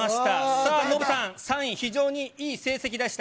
さあ、ノブさん、３位、非常にいい成績でした。